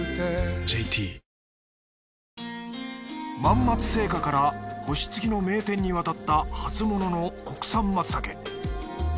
ＪＴ万松青果から星付きの名店に渡った初物の国産マツタケ。